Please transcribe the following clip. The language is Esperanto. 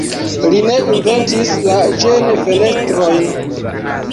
Li ne inventis la ĝen-fenestrojn.